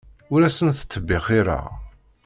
Ur asent-ttbexxireɣ.